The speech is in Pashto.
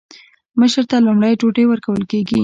مشر ته لومړی ډوډۍ ورکول کیږي.